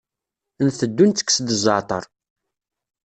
Nteddu ntekkes-d zzeɛter.